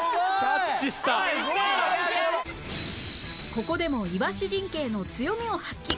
ここでもイワシ陣形の強みを発揮